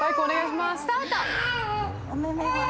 スタート。